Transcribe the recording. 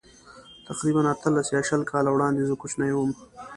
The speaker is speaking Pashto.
تقریباً اتلس یا شل کاله وړاندې زه کوچنی وم.